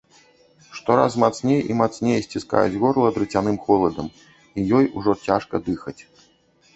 Штораз мацней і мацней сціскаюць горла драцяным холадам, і ёй ужо цяжка дыхаць.